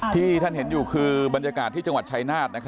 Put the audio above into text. ที่ท่านเห็นอยู่คือบรรยากาศที่จังหวัดชายนาฏ